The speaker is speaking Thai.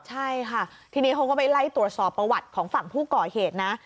ใช่ค่ะทีนี้เขาก็ไปไล่ตรวจสอบประวัติของฝั่งผู้ก่อเหตุนะ